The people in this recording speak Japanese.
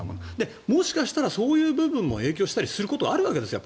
もしかしたらそういう部分も影響することもあるんですよ。